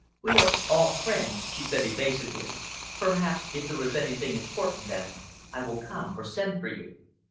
"We are all friends," she said evasively. "Perhaps if there is anything important, then I will come, or send for you."